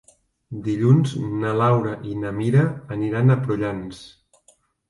Dilluns na Laura i na Mira aniran a Prullans.